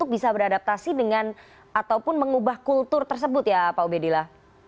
beradaptasi dengan ataupun mengubah kultur tersebut ya pak ubedira